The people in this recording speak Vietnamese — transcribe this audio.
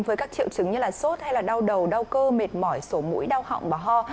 với các triệu chứng như sốt hay là đau đầu đau cơ mệt mỏi sổ mũi đau họng và ho